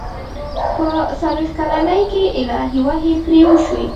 په څلوېښت کلنۍ کې الهي وحي پرې وشي.